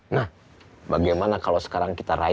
nah bagaimana kalau sekarang kita raih